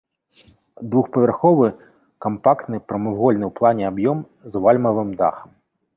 Двухпавярховы кампактны прамавугольны ў плане аб'ём з вальмавым дахам.